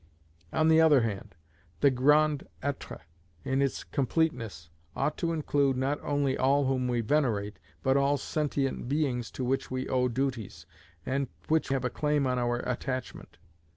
On the other hand, the Grand Etre in its completeness ought to include not only all whom we venerate, but all sentient beings to which we owe duties, and which have a claim on our attachment.